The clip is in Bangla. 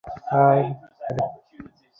আমরা বন্ধু, জ্যাজ।